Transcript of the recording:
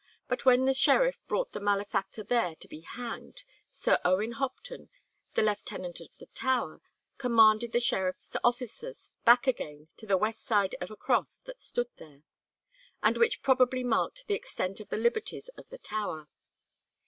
"But when the sheriff brought the malefactor there to be hanged Sir Owen Hopton, the Lieutenant of the Tower, commanded the sheriff's officers back again to the west side of a cross that stood there," and which probably marked the extent of the liberties of the Tower.